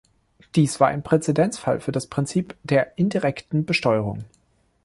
Dies war ein Präzedenzfall für das Prinzip der indirekten Besteuerung.